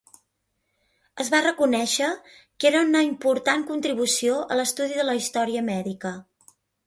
Es va reconèixer que era una important contribució a l'estudi de la història mèdica.